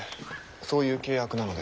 そういう契約なので。